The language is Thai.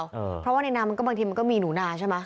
เพราะว่าในน้ำมันก็บางทีมันก็มีหนูนาใช่ไหม